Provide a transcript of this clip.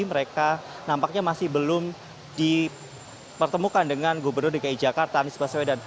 mereka nampaknya masih belum dipertemukan dengan gubernur dki jakarta anies baswedan